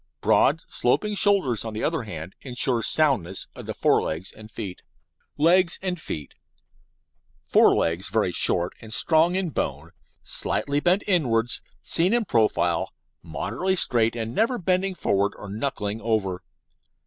Broad, sloping shoulders, on the other hand, insure soundness of the fore legs and feet. LEGS AND FEET Fore legs very short and strong in bone, slightly bent inwards; seen in profile, moderately straight and never bending forward or knuckling over.